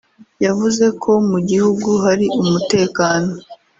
yavuze ko mu gihugu hari umutekano